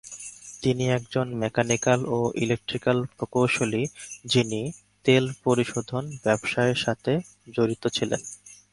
তিনি একজন মেকানিক্যাল ও ইলেকট্রিক্যাল প্রকৌশলী, যিনি তেল পরিশোধন ব্যবসায়ের সাথে জড়িত ছিলেন।